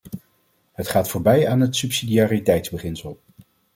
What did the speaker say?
Hij gaat voorbij aan het subsidiariteitsbeginsel.